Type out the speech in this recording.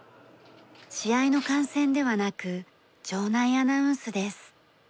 試合の観戦ではなく場内アナウンスです。